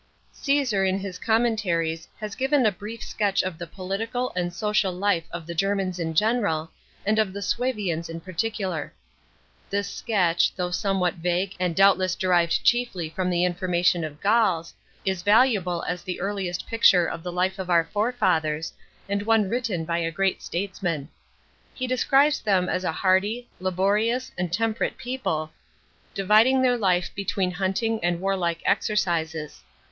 § 2. Caesar in his Commentaries has given a brief sketch of the political and social life of the Germans in general, and of the Suevians in particular. This sketch, though somewhat vague and doubtless derived chiefly from the information of Gauis, is valuable as the earliest picture of the life of our forefathers, and one written by a great statesman. He describes them as a hardy, laborious and temperate people, diriding their life between hunting and warlike exercises.